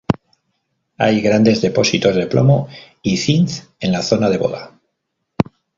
Hay grandes depósitos de plomo y zinc en la zona de Boda.